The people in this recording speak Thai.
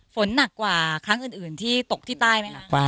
ฝนหนักกว่าครั้งอื่นที่ตกที่ใต้ไหมคะ